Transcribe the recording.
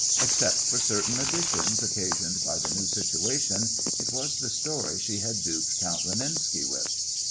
Except for certain additions occasioned by the new situation, it was the story she had duped Count Renenski with.